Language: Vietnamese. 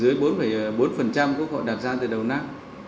ba năm mươi bốn dưới bốn bốn của họ đạt ra từ đầu năm